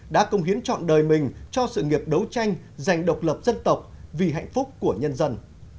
đã công hiến chọn đời mình cho sự nghiệp đấu tranh giành độc lập dân tộc vì hạnh phúc của nhân dân